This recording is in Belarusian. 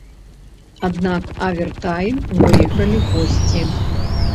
Аднак авертайм выйгралі госці.